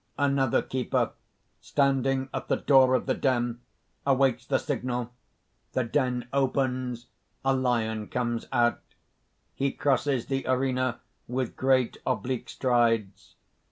_ Another keeper, standing at the door of the den, awaits the signal. The den opens; a lion comes out. _He crosses the arena with great oblique strides.